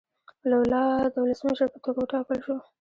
لولا د ولسمشر په توګه وټاکل شو.